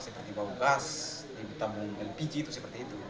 seperti bau gas tabung lpg itu seperti itu